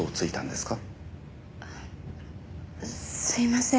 すみません。